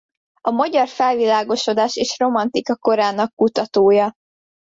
A magyar felvilágosodás és romantika korának kutatója.